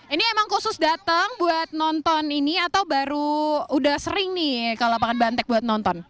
ini emang khusus datang buat nonton ini atau baru udah sering nih kalau lapangan banteng buat nonton